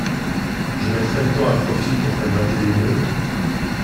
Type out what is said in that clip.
Je mettrai le temps à profit pour faire gratter les meules.